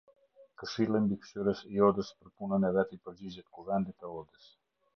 Këshilli mbikëqyrës i Odës për punën e vet i përgjigjet kuvendit të Odës.